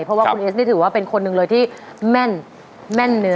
เพราะว่าคุณเอสนี่ถือว่าเป็นคนหนึ่งเลยที่แม่นเนื้อ